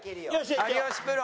有吉プロ。